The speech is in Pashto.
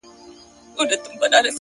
o په مړاوو گوتو كي قوت ډېر سي،